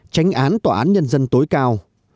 tránh án tòa án nhân dân tối cao